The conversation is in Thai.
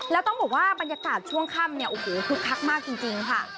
แล้วต้องบอกว่าบรรยากาศช่วงค่ำเนี่ยโอ้โหคึกคักมากจริงค่ะ